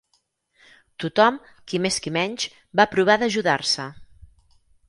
Tothom, qui més qui menys, va provar d'ajudar-se.